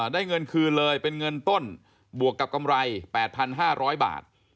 ได้เงินคืนเลยเป็นเงินต้นบวกกับกำไร๘๕๐๐บาท